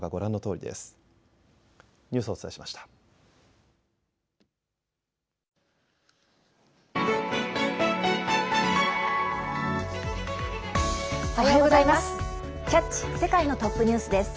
おはようございます。